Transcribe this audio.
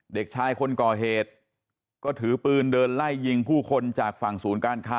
เด็กชายคนก่อเหตุก็ถือปืนเดินไล่ยิงผู้คนจากฝั่งศูนย์การค้า